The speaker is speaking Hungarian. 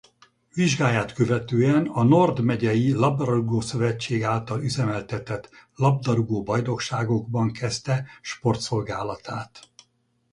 Vizsgáját követően a Nord megyei Labdarúgó-szövetség által üzemeltetett labdarúgó bajnokságokban kezdte sportszolgálatát.